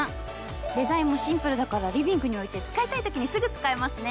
デザインもシンプルだからリビングに置いて使いたいときにすぐ使えますね。